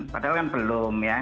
padahal kan belum ya